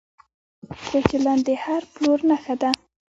ښه چلند د هر پلور نښه ده.